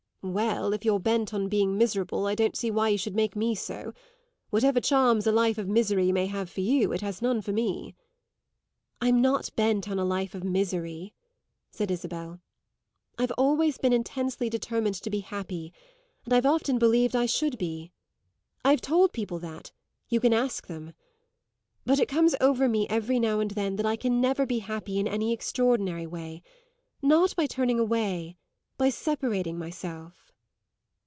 "Well, if you're bent on being miserable I don't see why you should make me so. Whatever charms a life of misery may have for you, it has none for me." "I'm not bent on a life of misery," said Isabel. "I've always been intensely determined to be happy, and I've often believed I should be. I've told people that; you can ask them. But it comes over me every now and then that I can never be happy in any extraordinary way; not by turning away, by separating myself."